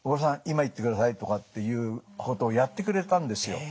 今行ってください」とかっていうことをやってくれたんですよ。